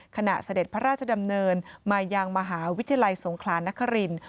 เสด็จพระราชดำเนินมายังมหาวิทยาลัยสงครานนคริน